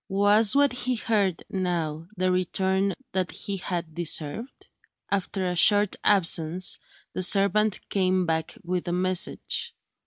Was what he heard, now, the return that he had deserved? After a short absence, the servant came back with a message.